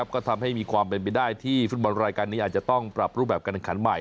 ก็ทำให้มีความเป็นไปได้ที่ฟุตบอลรายการนี้อาจจะต้องปรับรูปแบบการแข่งขันใหม่